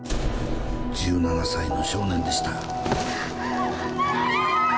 １７歳の少年でした。